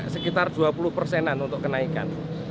sekitar dua puluh persenan untuk kenaikan